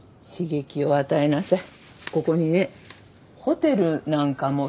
ここにね「ホテルなんかも非日常に」